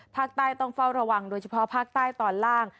ภาคใต้ต้องเฝ้าระวังโดยเฉพาะภาคใต้ตอนล่าง